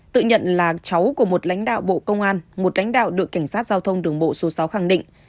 tự nhận là cháu của một lãnh đạo bộ công an một lãnh đạo đội cảnh sát giao thông đường bộ số sáu khẳng định